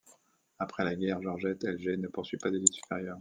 Après la guerre, Georgette Elgey ne poursuit pas d'études supérieures.